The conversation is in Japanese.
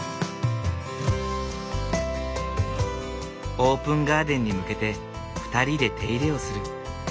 オープンガーデンに向けて２人で手入れをする。